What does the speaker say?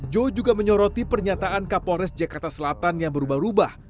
joe juga menyoroti pernyataan kapolres jakarta selatan yang berubah rubah